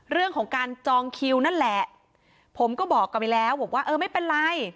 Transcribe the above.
เรื่องของการจองคิวนั่นแหละผมก็บอกกลับไปแล้วบอกว่าเออไม่เป็นไร